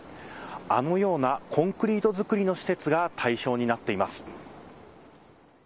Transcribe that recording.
あのようなコンクリート造りの施設が対象になっています。